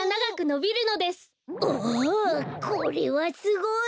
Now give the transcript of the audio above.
おおこれはすごい。